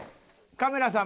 カメラさん